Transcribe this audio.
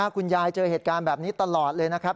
คุณยายเจอเหตุการณ์แบบนี้ตลอดเลยนะครับ